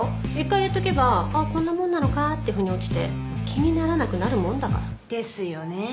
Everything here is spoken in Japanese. １回やっとけばあっこんなもんなのかってふに落ちて気にならなくなるもんだから。ですよね。